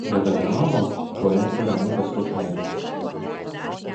Redagavo poetė Ramutė Skučaitė.